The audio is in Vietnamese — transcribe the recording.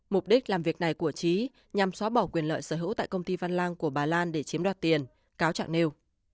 mục đích làm việc này của trí nhằm xóa bỏ quyền lợi sở hữu tại công ty văn lang của bà lan để chiếm đoạt tiền cáo trạng nêu